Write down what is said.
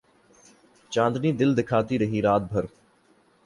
چاندنی دل دکھاتی رہی رات بھر